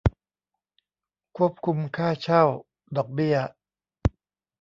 ควบคุมค่าเช่า ดอกเบี้ย